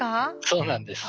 そうなんです。